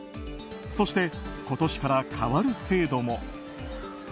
そして、今年から変わる制度も。